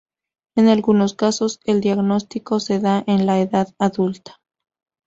En algunos casos, el diagnóstico se da en la edad adulta.